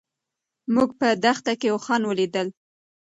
موږ په دښته کې اوښان ولیدل.